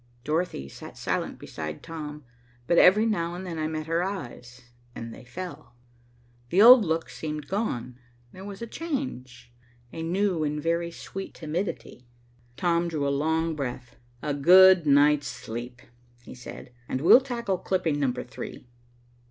Dorothy sat silent beside Tom, but every now and then I met her eyes, and they fell. The old look seemed gone. There was a change, a new and very sweet timidity. As we entered the hotel, Tom drew a long breath. "A good night's sleep," he said, "and we'll tackle clipping number three."